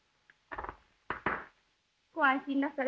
ご安心なされませ。